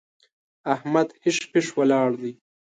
احمد هېښ پېښ ولاړ دی!